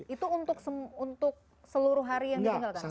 itu untuk seluruh hari yang ditinggalkan